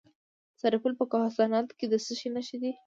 د سرپل په کوهستانات کې د څه شي نښې دي؟